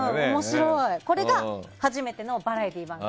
これが初めてのバラエティー番組。